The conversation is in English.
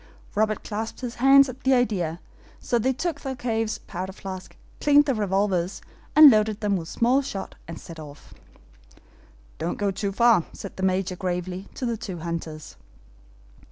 Robert clapped his hands at the idea, so they took Thalcave's powder flask, cleaned the revolvers and loaded them with small shot, and set off. "Don't go too far," said the Major, gravely, to the two hunters.